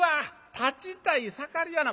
立ちたい盛りやな。